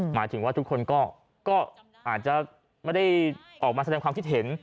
หมายถึงว่าทุกคนก็อาจจะไม่ได้ออกมาแสดงความคิดเห็น